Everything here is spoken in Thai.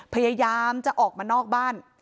พยายามจะออกมานอกบ้าน